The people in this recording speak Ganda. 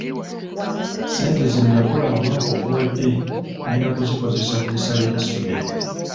Ssente ze nakola omwaka oguwedde ngenda kuzikozesa ku bisale by’essomero.